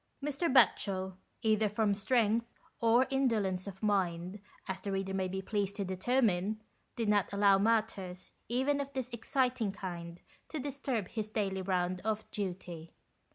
Mr. Batchel, either from strength or indolence of mind, as the reader may be pleased to determine, did not allow matters even of this exciting kind, to disturb his daily round of duty.